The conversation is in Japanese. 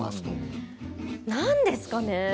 何ですかね。